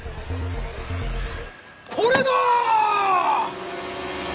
これだ‼